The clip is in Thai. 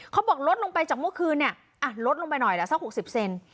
เขาบอกลดลงไปจากเมื่อคืนเนี่ยลดลงไปหน่อยละสัก๖๐เซน